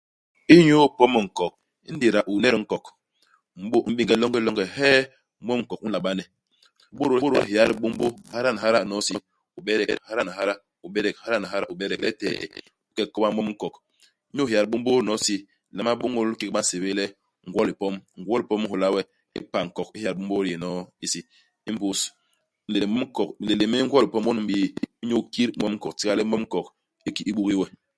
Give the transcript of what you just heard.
Inyu ipom nkok, ingéda u n'net nkok, u m'bô u m'bénge longelonge, hee mom u nkok u nla bane. U bôdôl héya dibômbô, hyada ni hyada nyono i si. U bedek, hyada ni hyada, u bedek, hyada ni hyada, u bedek, letee, u ke u koba mom u nkok. Inyu ihéya dibômbô nyono i si, u nlama bôñôl ikét ba nsébél le ngwo-lipom. Ngwo-lipom i nhôla we ipa nkok, ihéya dibômbô di yé nyono i si. Imbus nlémlém u nkok nlémlém u ngwo-lipom won u m'bii inyu ikit mom u nkok itiga le mom-nkok u ki u bugi we.